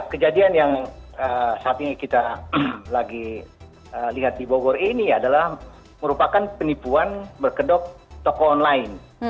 kejadian yang saat ini kita lagi lihat di bogor ini adalah merupakan penipuan berkedok toko online